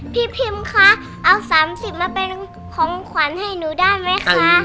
พี่พิมคะเอา๓๐มาเป็นของขวัญให้หนูได้ไหมคะ